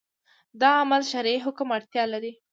دا عمل شرعي حکم اړتیا لري